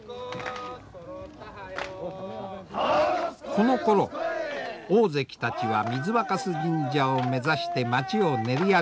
このころ大関たちは水若酢神社を目指して町を練り歩きます。